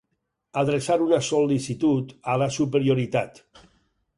Adreçar una sol·licitud a la superioritat.